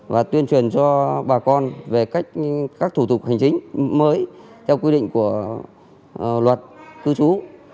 và tuyên truyền cho bà con về các thủ tục hành chính mới theo quy định của luật cư trú